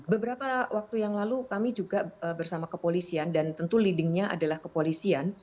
beberapa waktu yang lalu kami juga bersama kepolisian dan tentu leadingnya adalah kepolisian